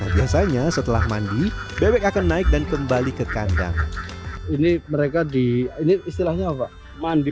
biasanya setelah mandi bebek akan naik dan kembali ke kandang ini mereka di ini istilahnya apa mandi